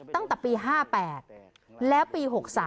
ตั้งแต่ปี๕๘แล้วปี๖๓